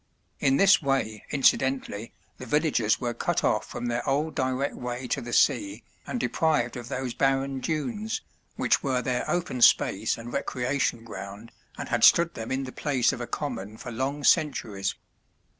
In this way, incidentally, the villagers were cut off from their old direct way to the sea and deprived of those barren dunes, which were their open space and recreation ground and had stood them in the place of a common for long centuries.